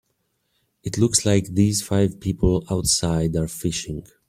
It looks like these five people outside are fishing.